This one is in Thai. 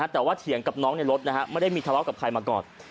แต่ว่าเถียงกับน้องในรถไม่ได้มีทะเลาะกับใครมาก่อน